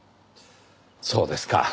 そうですか。